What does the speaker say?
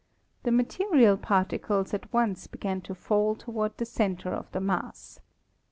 The material particles at once began to fall toward the center of the mass.